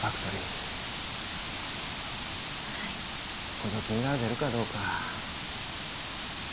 補助金が出るかどうか。